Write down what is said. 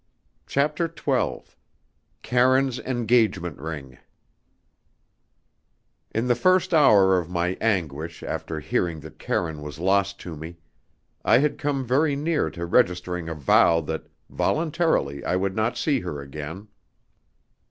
CHAPTER XII Karine's Engagement Ring In the first hour of my anguish after hearing that Karine was lost to me, I had come very near to registering a vow that voluntarily I would not see her again.